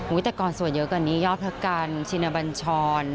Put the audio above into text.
วิทยากรสวนเยอะกว่านี้หยอดพระกรณ์ชินบัญชร